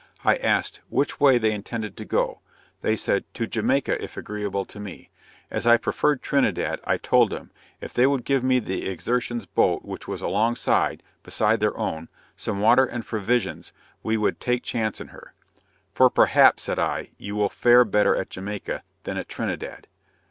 I asked "which way they intended to go?" They said "to Jamaica if agreeable to me." As I preferred Trinidad, I told them, "if they would give me the Exertion's boat which was along side (beside their own) some water and provisions, we would take chance in her." "For perhaps," said I, "you will fare better at Jamaica, than at Trinidad."